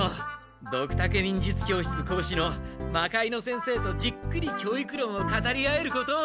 ドクタケ忍術教室講師の魔界之先生とじっくり教育論を語り合えることを。